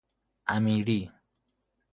امیری